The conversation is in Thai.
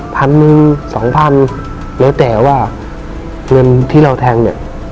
พันหนึ่งสองพันแล้วแต่ว่าเงินที่เราแทงเนี่ย